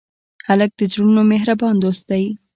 هلک د زړونو مهربان دوست دی.